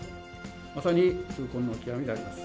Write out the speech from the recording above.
まさに痛恨の極みであります。